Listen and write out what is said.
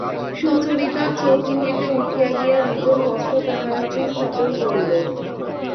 সুচরিতা চৌকি হইতে উঠিয়া গিয়া নিজের হস্ত তাহার হাতে স্থাপন করিল।